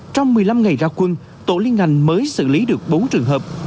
trong một mươi năm ngày ra quân tổ liên ngành mới xử lý được bốn trường hợp